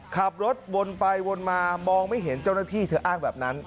ขับรถวนไปวนมามองไม่เห็นเจ้าหน้าที่เธออ้างแบบนั้น